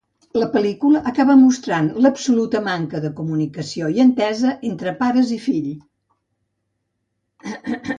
La pel·lícula acaba mostrant l'absoluta manca de comunicació i entesa entre pares i fill.